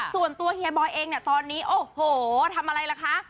ส่วนตัวเฮียบอยเองเนี่ยตอนนี้โอ้โหทำอะไรล่ะคะ